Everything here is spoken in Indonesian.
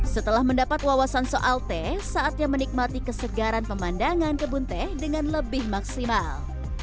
setelah mendapat wawasan soal teh saatnya menikmati kesegaran pemandangan kebun teh dengan lebih maksimal